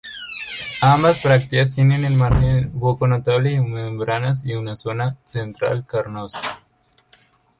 Ambas brácteas tienen el margen poco notable y membranoso y una zona central carnosa.